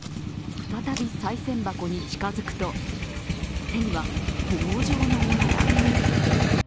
再びさい銭箱に近づくと手には棒状のものが。